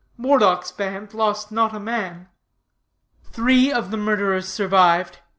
Moredock's band lost not a man. "'Three of the murderers survived.